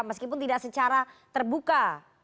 meskipun tidak secara terbuka